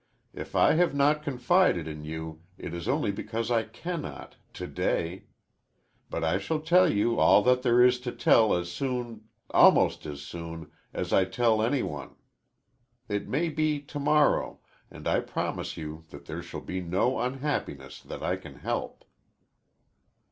If I have not confided in you, it is only because I cannot to day. But I shall tell you all that there is to tell as soon almost as soon as I tell any one. It may be to morrow, and I promise you that there shall be no unhappiness that I can help."